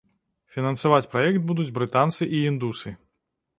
Фінансаваць праект будуць брытанцы і індусы.